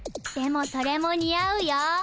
でもそれもにあうよ。